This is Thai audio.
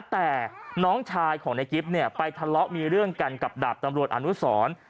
แต่น้องชายของในกิ๊บเนี่ยไปทะเลาะมีเรื่องกันกับดาบตำรวจอนุสร